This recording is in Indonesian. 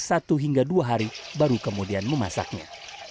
satu hingga dua hari baru kemudian memasaknya